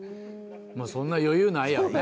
そんな余裕ないやろうね。